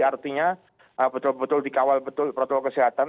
artinya betul betul dikawal betul protokol kesehatan